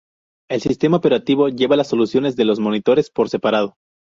El sistema operativo lleva las soluciones de los monitores por separado.